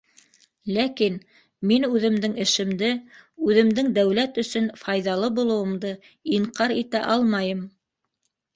- Ләкин мин үҙемдең эшемде... үҙемдең дәүләт өсөн файҙалы булыуымды инҡар итә алмайым!